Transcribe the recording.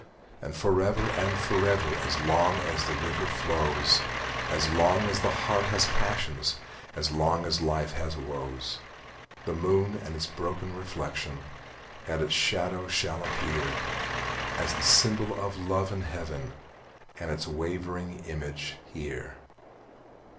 And forever and forever, As long as the river flows, As long as the heart has passions, As long as life has woes; The moon and its broken reflection Aand its shadows shall appear, As the symbol of love in heaven, And its wavering image here.